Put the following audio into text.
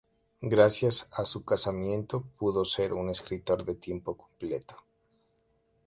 Gracias a su casamiento pudo ser un escritor de tiempo completo.